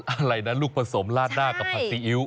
อะไรนะลูกผสมลาดหน้ากับผัดซีอิ๊ว